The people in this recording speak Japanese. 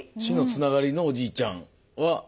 血のつながりのおじいちゃんは。